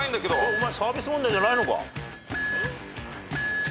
お前サービス問題じゃないのか。